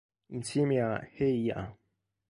Insieme a "Hey Ya!